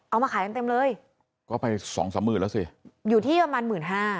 เอามาขายกันเต็มเลยก็ไปสองสามหมื่นแล้วสิอยู่ที่ประมาณหมื่นห้า